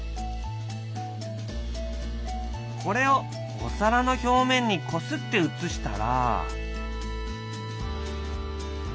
これをお皿の表面にこすって写したら。